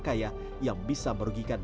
kaya yang bisa merugikan